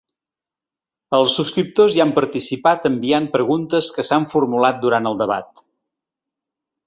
Els subscriptors hi han participat enviant preguntes que s’han formulat durant el debat.